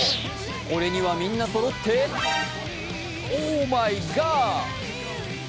これにはみんなそろってオーマイガー！